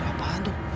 serem apaan tuh